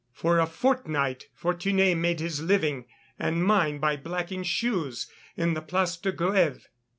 For a fortnight Fortuné made his living and mine by blacking shoes in the Place de Grève.